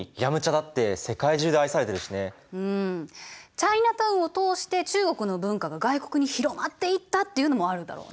チャイナ・タウンを通して中国の文化が外国に広まっていったっていうのもあるだろうね。